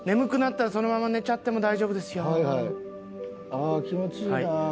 ああ気持ちいいな。